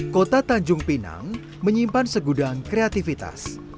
kota tanjung pinang menyimpan segudang kreativitas